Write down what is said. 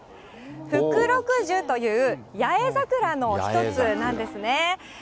フクロクジュという八重桜の一つなんですね。